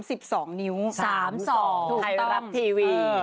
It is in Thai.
๓๒ถูกต้องให้รับทีวี